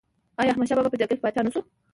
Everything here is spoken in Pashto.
آیا احمد شاه بابا په جرګه پاچا نه شو؟